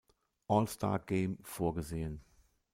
All-Star-Game vorgesehen.